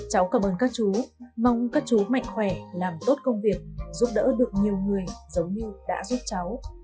cháu cảm ơn các chú mong các chú mạnh khỏe làm tốt công việc giúp đỡ được nhiều người giống như đã giúp cháu